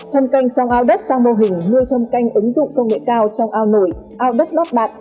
thân canh trong ao đất sang mô hình nuôi thâm canh ứng dụng công nghệ cao trong ao nổi ao đất lót bạc